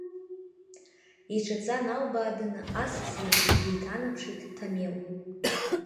Иҿаҵа налбааданы асас иахь деиҭанаԥшит Ҭамел.